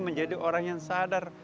menjadi orang yang sadar